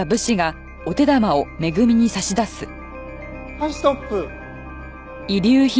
はいストップ。